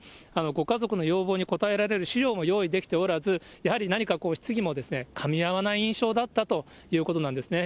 ご家族の要望に応えられる資料も出来ておらず、やはり何か次もかみ合わない印象だったということなんですね。